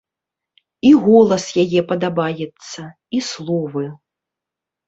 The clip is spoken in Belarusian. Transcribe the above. І голас яе падабаецца, і словы.